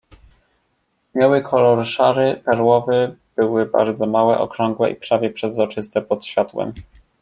"Miały kolor szary, perłowy, były bardzo małe, okrągłe i prawie przezroczyste pod światłem."